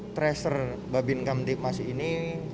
tracer babin kamtik masih ini